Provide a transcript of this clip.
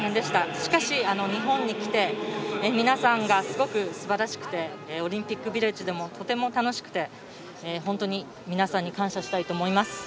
しかし、日本に来て皆さんがすごくすばらしくてオリンピックビレッジでもとても楽しくて本当に皆さんに感謝したいと思います。